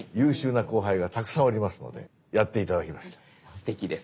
すてきです。